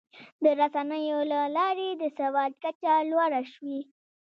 د رسنیو له لارې د سواد کچه لوړه شوې.